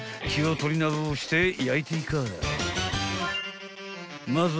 ［気を取り直して焼いていかぁな］